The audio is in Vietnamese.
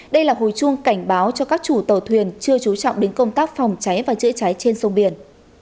đây là hồi chuông cảnh báo cho các chủ tàu thuyền chưa trú trọng đến công tác phòng cháy và chữa cháy trên sông biển